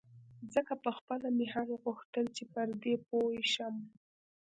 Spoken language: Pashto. ځکه پخپله مې هم غوښتل چې پر دې پوی شم.